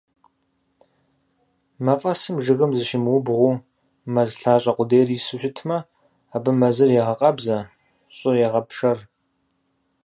Мафӏэсым жыгым зыщимыубгъуу, мэз лъащӏэ къудейр ису щытмэ, абы мэзыр егъэкъабзэ, щӏыр егъэпшэр.